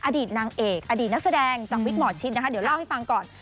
อดีตนางเอกอดีตนักแสดงจากวิกหมอชิดนะคะเดี๋ยวเล่าให้ฟังก่อน